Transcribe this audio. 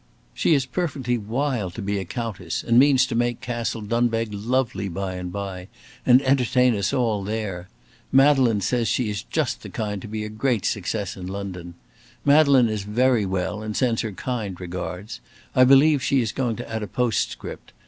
She is perfectly wild to be a countess, and means to make Castle Dunbeg lovely by and by, and entertain us all there. Madeleine says she is just the kind to be a great success in London. Madeleine is very well, and sends her kind regards. I believe she is going to add a postscript.